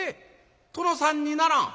殿さんにならん？